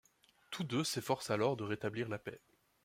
Tous deux s'efforcent alors de rétablir la paix.